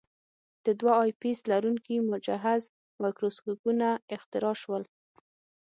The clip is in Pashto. د دوه آی پیس لرونکي مجهز مایکروسکوپونه اختراع شول.